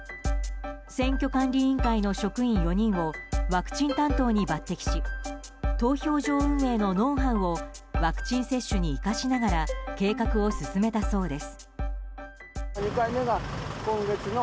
選挙管理委員会の職員４人をワクチン担当に抜擢し投票場運営のノウハウをワクチン接種に生かしながら計画を進めたそうです。